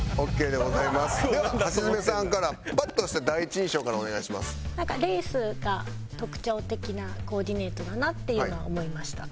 なんかレースが特徴的なコーディネートだなっていうのは思いました。